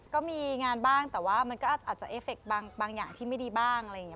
ก็มีงานบ้างแต่ว่ามันก็อาจจะเอฟเฟคบางอย่างที่ไม่ดีบ้างอะไรอย่างนี้